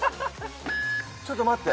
ちょっと待って。